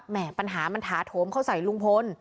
ปัญหามันถาโถมเข้าใส่ลุงพล